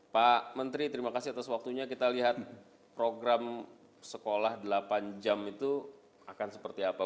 pak menteri terima kasih atas waktunya kita lihat program sekolah delapan jam itu akan seperti apa